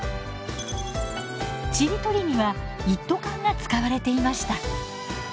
ちりとりには一斗缶が使われていました。